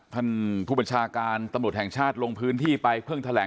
ท่านผู้บัญชาการตำรวจแห่งชาติลงพื้นที่ไปเพิ่งแถลง